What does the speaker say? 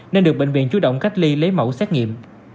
nên được bệnh viện chú động cách ly lấy mẫu xét nghiệm